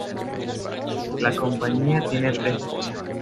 La compañía tiene tres divisiones.